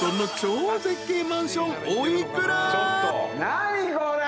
何これ？